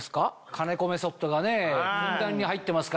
兼子メソッドがふんだんに入ってますから。